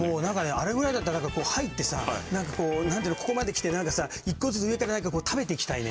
あれぐらいだったら入ってさ何かここまで来て何か１個ずつ上から食べていきたいね！